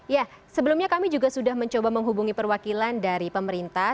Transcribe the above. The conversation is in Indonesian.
ya sebelumnya kami juga sudah mencoba menghubungi perwakilan dari pemerintah